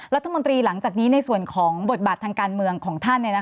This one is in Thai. รัฐมนตรีหลังจากนี้ในส่วนของบทบาททางการเมืองของท่าน